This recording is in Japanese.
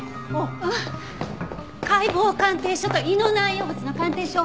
解剖鑑定書と胃の内容物の鑑定書！